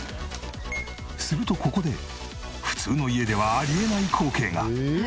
するとここで普通の家ではあり得ない光景が。